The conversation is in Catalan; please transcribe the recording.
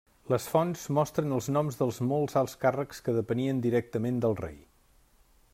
Les fonts mostren els noms dels molts alts càrrecs que depenien directament del Rei.